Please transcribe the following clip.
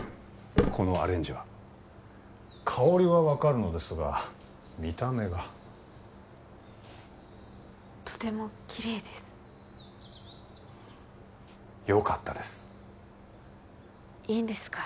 このアレンジは香りは分かるのですが見た目がとてもキレイですよかったですいいんですか